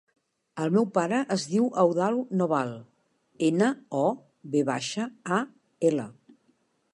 El meu pare es diu Eudald Noval: ena, o, ve baixa, a, ela.